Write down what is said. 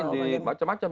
ini di macam macam